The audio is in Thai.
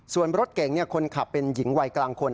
ส่วนรถเก่งคนขับเป็นหญิงวัยกลางคน